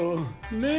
ねえ？